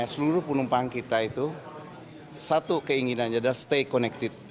seluruh penumpang kita itu satu keinginannya adalah stay connected